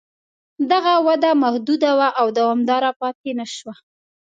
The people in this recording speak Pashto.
دغه وده محدوده وه او دوامداره پاتې نه شوه